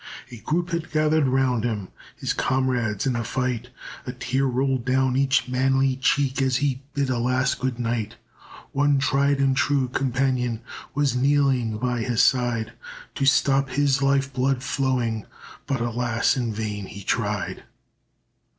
A group had gathered round him, His comrades in the fight, A tear rolled down each manly cheek As he bid a last good night. One tried and true companion Was kneeling by his side, To stop his life blood flowing, But alas, in vain he tried.